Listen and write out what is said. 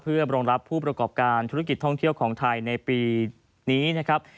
เพื่อรองรับผู้ประกอบการธุรกิจท่องเที่ยวของไทยในปีนี้นะครับ